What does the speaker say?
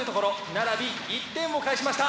奈良Ｂ１点を返しました。